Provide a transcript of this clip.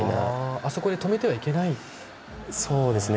あそこで止めてはいけないんですね？